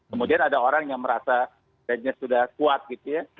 kemudian ada orang yang merasa dannya sudah kuat gitu ya